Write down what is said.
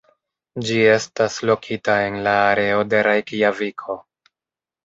Ĝi estas lokita en la areo de Rejkjaviko.